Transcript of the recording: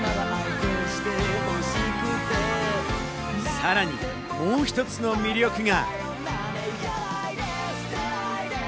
さらに、もう１つの魅力が。